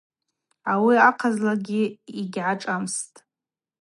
Ауи ахъазлагьи йгьашӏамстӏ.